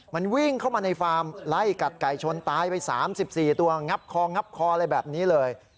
มันวิ่งเข้ามาในฟาร์มไล่กัดไก่ชนตายไป๓๔ตัวงับคองับคออะไรแบบนี้เลย